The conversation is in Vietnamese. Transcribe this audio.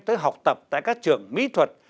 tới học tập tại các trường mỹ thuật